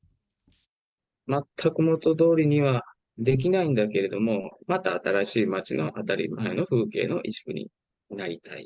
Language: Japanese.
全く元どおりにはできないんだけど、また新しい街の当たり前の風景の一部になりたい。